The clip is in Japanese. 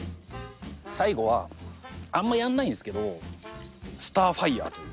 最後はあんまりやらないんですけどスターファイヤーという。